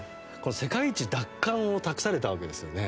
世界一奪還を託されたわけですよね。